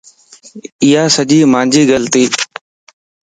ايا سڄي مانجي غلطيَ